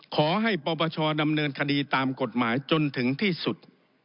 ขอให้ปปชดำเนินคดีตามกฎหมายจนถึงที่สุด